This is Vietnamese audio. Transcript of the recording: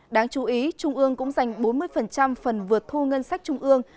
đáng chú ý trung ương cũng dành bốn mươi phần vượt thu ngân sách trung ương